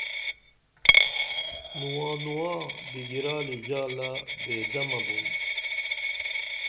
نواں نواں بیگرالی جالہ بے دمہ بُم